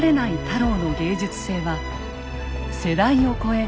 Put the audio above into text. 太郎の芸術性は世代を超え